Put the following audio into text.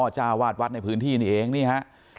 จ้าวาดวัดในพื้นที่นี่เองนี่ฮะ